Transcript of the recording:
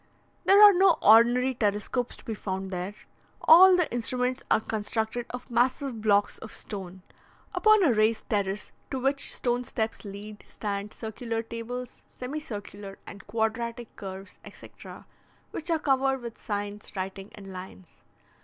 There are no ordinary telescopes to be found there: all the instruments are constructed of massive blocks of stone. Upon a raised terrace, to which stone steps lead, stand circular tables, semicircular and quadratic curves, etc. which are covered with signs, writing, and lines.